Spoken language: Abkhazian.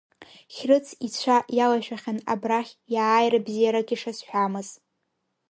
Хьрыц ицәа иалашәахьан абрахь иааира бзиарак ишазҳәамыз.